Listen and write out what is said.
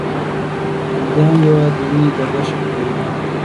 دا میوه د وینې گردش ښه کوي.